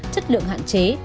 chất lượng hạn chế